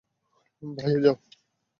বাঁয়ে যাও।